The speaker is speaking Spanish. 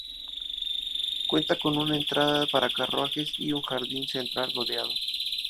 Cuenta con una entrada para carruajes y un jardín central rodeado.